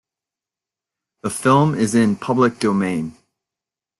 The film is in public domain.